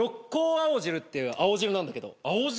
青汁っていう青汁なんだけど青汁？